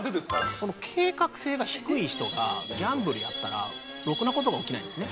この計画性が低い人がギャンブルやったらろくなことが起きないですね